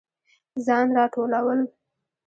ځان راټولول